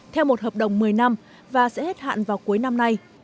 theo một hợp đồng một mươi năm và sẽ hết hạn vào cuối năm nay